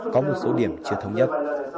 có một số điểm chưa thống nhất